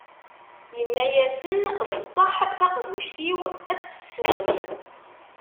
Inna-asen: D ṣṣeḥḥ, taqbuct-iw, a tt-teswem.